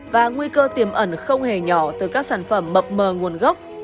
và nguy cơ tiềm ẩn không hề nhỏ từ các sản phẩm mập mờ nguồn gốc